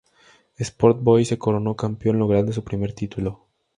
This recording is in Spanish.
Sport Boys se coronó campeón logrando su primer título.